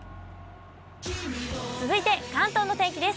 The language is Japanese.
続いて関東の天気です。